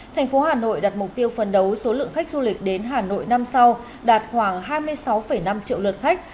thành phố hà nội đặt mục tiêu phần đấu số lượng khách du lịch đến hà nội năm sau đạt khoảng hai mươi sáu năm triệu lượt khách